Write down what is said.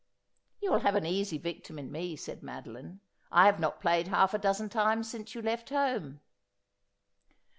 ' You will have an easy victim in me,' said Madoline. ' I have not played half a dozen times since you left home.'